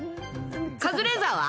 カズレーザーは？